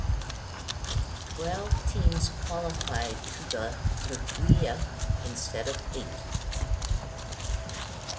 Twelve teams qualified to the "Liguilla" instead of eight.